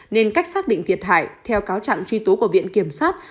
nên cách xác định thiệt hại theo cáo trạng truy tố của viện kiểm sát